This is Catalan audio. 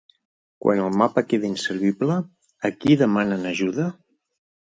Quan el mapa queda inservible, a qui demanen ajuda?